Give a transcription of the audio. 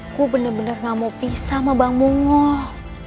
aku bener bener gak mau pisah sama bang mongol